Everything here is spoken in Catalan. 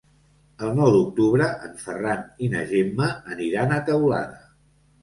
El nou d'octubre en Ferran i na Gemma aniran a Teulada.